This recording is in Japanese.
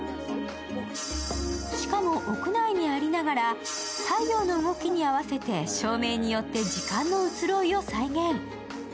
しかも、屋内にありながら太陽の動きに合わせて照明によって時間の移ろいを再現。